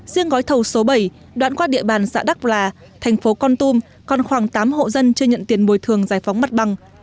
riêng gói thầu số bảy đoạn qua địa bàn xã đắc là thành phố con tum còn khoảng tám hộ dân chưa nhận tiền bồi thường giải phóng mặt bằng